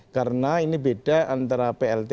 karena ini beda antara plt